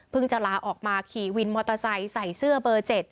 จะลาออกมาขี่วินมอเตอร์ไซค์ใส่เสื้อเบอร์๗